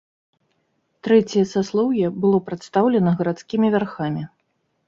Трэцяе саслоўе было прадстаўлена гарадскімі вярхамі.